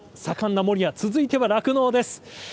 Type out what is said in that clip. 畜産も盛んな守谷、続いては酪農です。